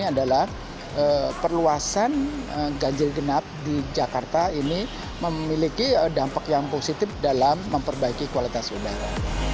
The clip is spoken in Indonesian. ini adalah perluasan ganjil genap di jakarta ini memiliki dampak yang positif dalam memperbaiki kualitas udara